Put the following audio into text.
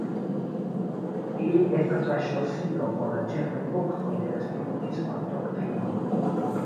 Ili estas la "ŝlosilo" por la ĉefaj punktoj de la spiritisma doktrino.